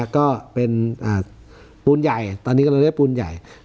ก็เป็นปูนใหญ่ตอนนี้ก็เรียกว่าปูนใหญ่